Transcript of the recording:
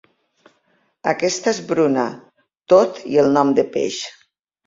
Aquesta és bruna, tot i el nom de peix.